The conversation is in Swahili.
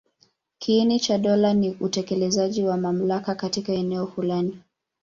Kiini cha dola ni utekelezaji wa mamlaka katika eneo fulani.